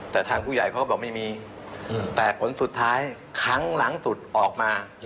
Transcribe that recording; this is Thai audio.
แต่ทางผู้ใหญ่เขาก็บอกไม่มีแต่ผลสุดท้ายครั้งหลังสุดออกมา